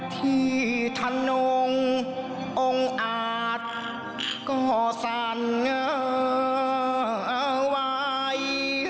ที่ท่านองค์องค์อาจก็สั่นไว้